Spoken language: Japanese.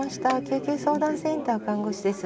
救急相談センター看護師です。